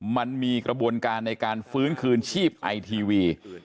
มันมีกระบวนการในการฟื้นคืนชีพไอทีวี